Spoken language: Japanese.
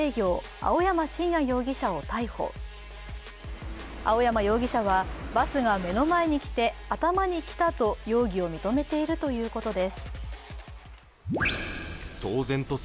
青山容疑者は、バスが目の前に来て頭にきたと容疑を認めているということです。